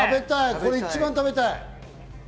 これ一番食べたい。